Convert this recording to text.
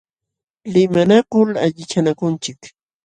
Limanakul allichanakunchik.